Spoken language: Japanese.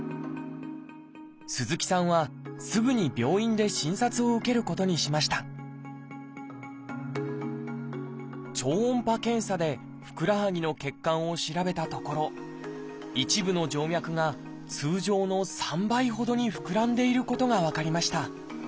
鈴木さんはすぐに病院で診察を受けることにしました超音波検査でふくらはぎの血管を調べたところ一部の静脈が通常の３倍ほどに膨らんでいることが分かりました。